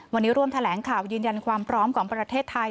วันนี้ร่วมแถลงข่าวยืนยันความพร้อมของประเทศไทย